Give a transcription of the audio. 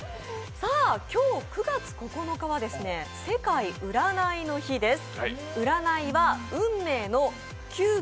今日９月９日は世界占いの日です。